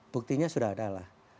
buktinya sudah ada lah